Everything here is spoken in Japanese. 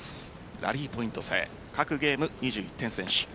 ラリーポイント制各ゲーム２１点先取。